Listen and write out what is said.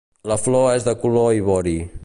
La flor és de color ivori.